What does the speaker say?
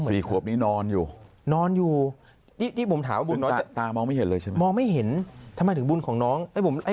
มีขวบนี้นอนอยู่นอนอยู่มองไม่เห็นทำไมถึงบุญของน้องให้